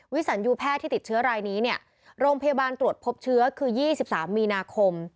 สันยูแพทย์ที่ติดเชื้อรายนี้เนี่ยโรงพยาบาลตรวจพบเชื้อคือ๒๓มีนาคม